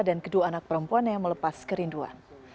dan kedua anak perempuan yang melepas kerinduan